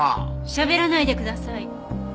しゃべらないでください。